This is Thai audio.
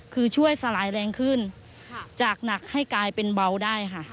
คือช่วยสลายแรงขึ้นจากหนักให้กลายเป็นเบาได้ค่ะ